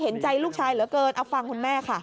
เห็นใจลูกชายเหลือเกินเอาฟังคุณแม่ค่ะ